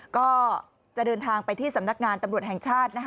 ก็จะเดินทางไปที่สำนักงานตำรวจแห่งชาติ